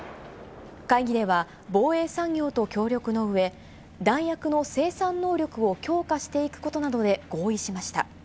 会議では防衛産業と協力のうえ、弾薬の生産能力を強化していくことなどで合意しました。